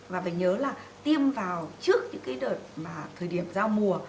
và phải nhớ là tiêm vào trước những cái đợt mà thời điểm giao mùa